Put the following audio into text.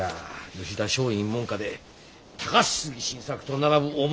吉田松陰門下で高杉晋作と並ぶ大物じゃ！